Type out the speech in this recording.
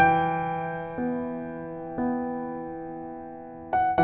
ทำเป็นผู้สาเชื่อมให้น้องรักปั่นจักรยานไปขายตามหมู่บ้านค่ะ